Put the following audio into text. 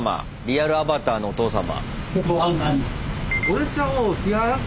リアルアバターのお父様。